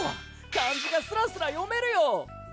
漢字がスラスラ読めるよ！